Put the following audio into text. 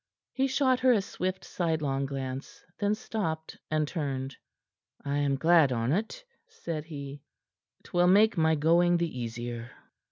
He shot her a swift, sidelong glance; then stopped, and turned. "I am glad on't," said he. "'Twill make my going the easier."